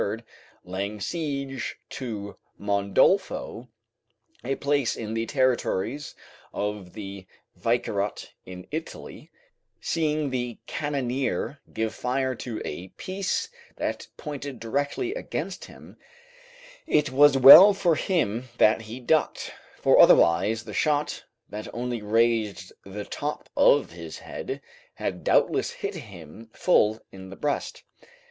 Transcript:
] laying siege to Mondolfo, a place in the territories of the Vicariat in Italy, seeing the cannoneer give fire to a piece that pointed directly against him, it was well for him that he ducked, for otherwise the shot, that only razed the top of his head, had doubtless hit him full in the breast.